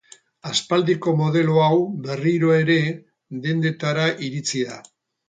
Aspaldiko modelo hau berriro ere dendetara iritsi da.